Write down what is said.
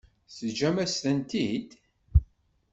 Teǧǧam-as-tent-id?